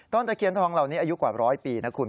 ตะเคียนทองเหล่านี้อายุกว่าร้อยปีนะคุณ